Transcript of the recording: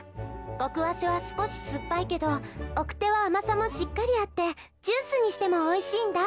極早生はすこしすっぱいけど晩生はあまさもしっかりあってジュースにしてもおいしいんだ。